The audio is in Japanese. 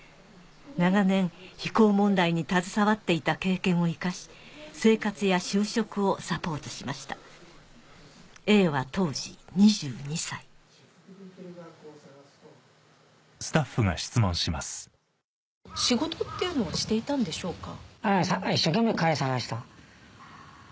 長年非行問題に携わっていた経験を生かし生活や就職をサポートしましたＡは当時２２歳仕事っていうのはしていたんでしょうか？